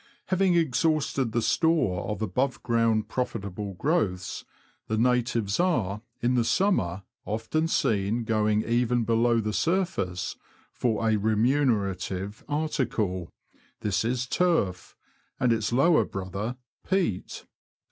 Having exhausted the store of above ground profitable growths,, the natives are, in the summer, often seen going even below the surface for a remunerative article — this is turf, and its lower brother, peat.